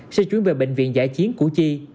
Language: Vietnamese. sẽ chuyến về bệnh viện giải chiến củ chi